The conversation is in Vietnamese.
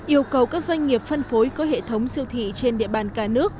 yêu cầu các doanh nghiệp phân phối có hệ thống siêu thị trên địa bàn cả nước